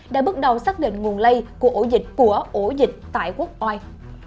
đã bước đầu xác định nguồn lây của ổ dịch của ổ dịch tại quốc oai